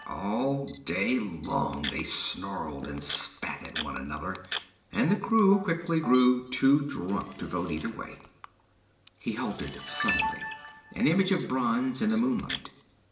All day long they snarled and spat at one another, and the crew quickly grew too drunk to vote either way ' He halted suddenly, an image of bronze in the moonlight.